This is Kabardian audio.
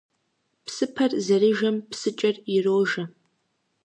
Псыпэр зэрыжэм псыкӀэр ирожэ.